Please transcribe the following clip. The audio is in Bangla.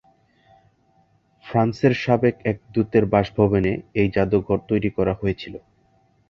ফ্রান্সের সাবেক এক দূতের বাস ভবনে এই জাদুঘর তৈরি করা হয়েছিলো।